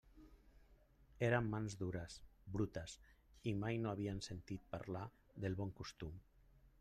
Eren mans dures, brutes, i mai no havien sentit parlar del bon costum.